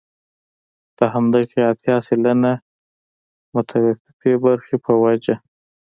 د همدغې اتيا سلنه متوفي برخې په وجه.